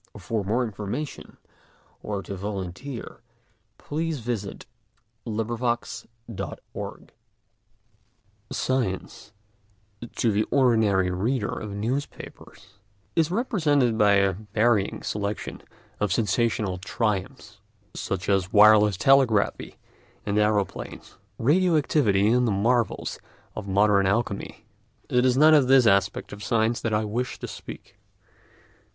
Df. VI. IIToC THE PLACE OF SCIENCE IN A LIBERAL EDUCATION I Science, to the ordinary reader of newspapers, is represented by a varying selection of sensational triumphs, such as wireless telegraphy and aeroplanes, radio activity and the marvels of modern alchemy. It is not of this aspect of science that I wish to speak.